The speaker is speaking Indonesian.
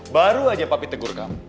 baru aja papi tegur kamu